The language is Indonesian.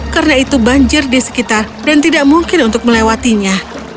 karena itu banjir di sekitar dan tidak mungkin untuk melewatinya